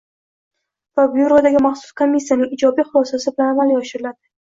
va Byurodagi maxsus komissiyaning ijobiy hulosasi bilan amalga oshiriladi.